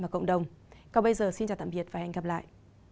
còn bây giờ xin chào tạm biệt và hẹn gặp lại